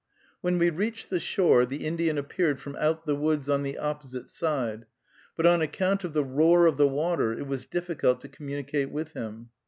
When we reached the shore, the Indian appeared from out the woods on the opposite side, but on account of the roar of the water it was difficult to communicate with him.